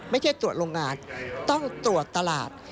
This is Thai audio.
ไม่ใช่ตรวจโรงงานต้องตรวจตลาด